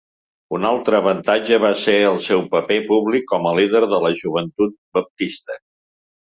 Un altre avantatge va ser el seu paper públic com a líder de la joventut baptista.